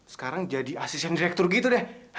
sekarang jadi asisten direktur gitu deh